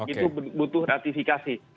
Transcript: itu butuh ratifikasi